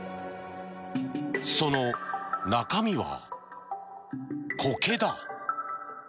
その中身はコケだ。